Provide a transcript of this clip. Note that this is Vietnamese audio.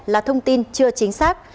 là thông tin chưa chính xác